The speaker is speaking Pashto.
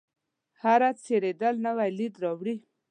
هره څیرېدل نوی لید راوړي.